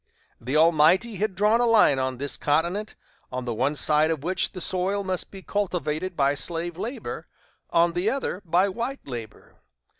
The Almighty had drawn a line on this continent, on the one side of which the soil must be cultivated by slave labor? on the other, by white labor.